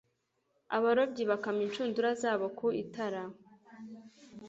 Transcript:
abarobyi bakama inshundura zabo ku itara